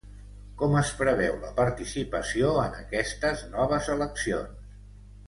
Com es preveu la participació en aquestes noves eleccions?